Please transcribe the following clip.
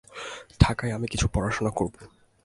ঢাকায় আমি কিছু পড়াশোনা করব।